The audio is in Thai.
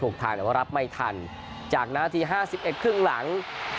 ก็รับไม่ทันจากนาทีห้าสิบเอ็กซ์ครึ่งหลัง